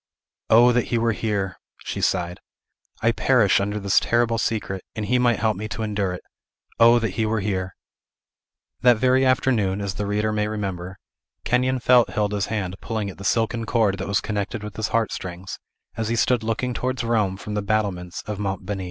"O that he were here!" she sighed; "I perish under this terrible secret; and he might help me to endure it. O that he were here!" That very afternoon, as the reader may remember, Kenyon felt Hilda's hand pulling at the silken cord that was connected with his heart strings, as he stood looking towards Rome from the battlements of Monte Beni.